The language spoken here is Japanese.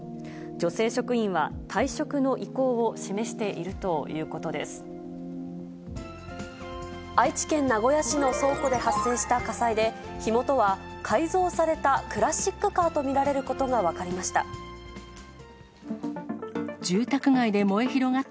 女性職員は、退職の意向を示して愛知県名古屋市の倉庫で発生した火災で、火元は改造されたクラシックカーと見られることが分かりました。